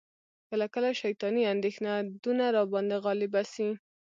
کله کله شیطاني اندیښنه دونه را باندي غالبه سي،